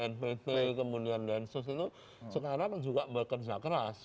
jadi saya kira polri bnpt kemudian densus itu sekarang juga bekerja keras